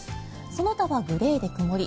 その他はグレーで曇り。